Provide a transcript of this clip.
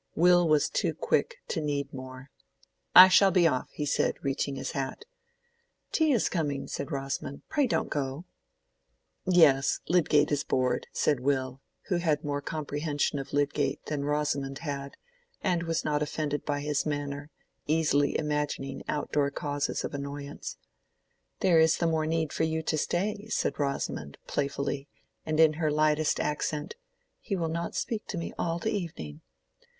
Will was too quick to need more. "I shall be off," he said, reaching his hat. "Tea is coming," said Rosamond; "pray don't go." "Yes, Lydgate is bored," said Will, who had more comprehension of Lydgate than Rosamond had, and was not offended by his manner, easily imagining outdoor causes of annoyance. "There is the more need for you to stay," said Rosamond, playfully, and in her lightest accent; "he will not speak to me all the evening."